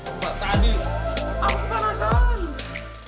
tadi aku panasan